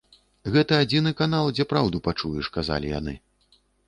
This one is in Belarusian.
Гэта адзіны канал, дзе праўду пачуеш, казалі яны.